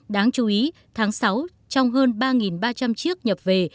đáng chú ý tháng sáu trong hơn ba ba trăm linh chiếc nhập về